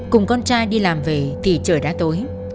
cùng con trai đi làm về thì trời đã tối